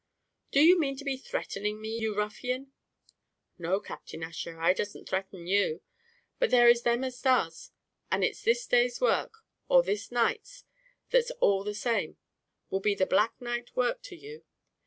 "Do you mean to be threatening me, you ruffian?" "No, Captain Ussher, I doesn't threaten you, but there is them as does; and it's this day's work, or this night's that's all the same, will be the black night work to you.